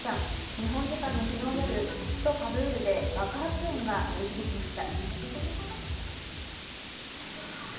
日本時間の昨日夜、首都・カブールで爆発音が鳴り響きました。